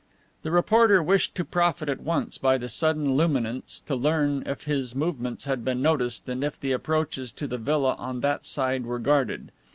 The reporter wished to profit at once by the sudden luminance to learn if his movements had been noticed and if the approaches to the villa on that side were guarded.